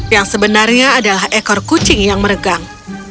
yang sebenarnya adalah ekor kucing yang meregang